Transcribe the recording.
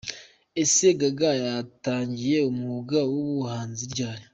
Ese gaga yatangiye umwuga w’ubuhanzi ryari?.